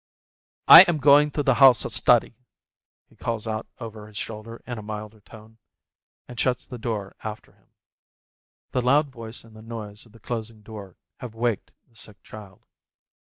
"I am going to the house of study !" he calls out over his shoulder in a milder tone, and shuts the door after him. The loud voice and the noise of the closing door have waked the sick child.